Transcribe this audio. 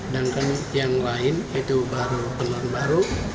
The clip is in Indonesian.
dan yang lain itu penelan baru